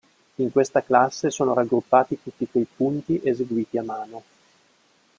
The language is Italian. In questa classe sono raggruppati tutti quei punti eseguiti a mano.